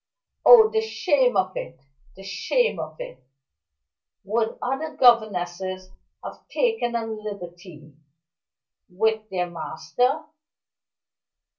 Oh, the shame of it! the shame of it! Would other governesses have taken a liberty with their master?